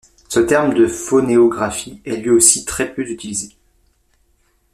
Ce terme de phonéographie est lui aussi très peu utilisé.